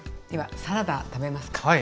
ではサラダ食べますか？